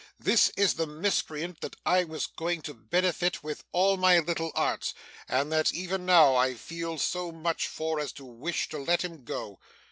This is the miscreant that I was going to benefit with all my little arts, and that, even now, I feel so much for, as to wish to let him go!